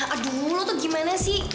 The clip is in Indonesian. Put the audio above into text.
aduh mulu tuh gimana sih